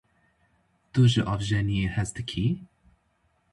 Tu ji avjeniyê hez dikî?